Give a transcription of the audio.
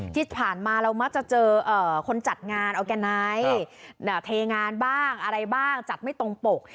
ที่ผ่านมาเรามักจะเจอคนจัดงานออร์แกนไนท์เทงานบ้างอะไรบ้างจัดไม่ตรงปก